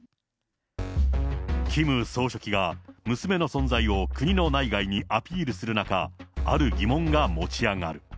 キム総書記が娘の存在を国の内外にアピールする中、ある疑問が持ち上がる。